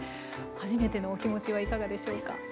初めてのお気持ちはいかがでしょうか？